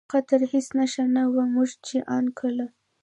د خطر هېڅ نښه نه وه، موږ چې ان کله.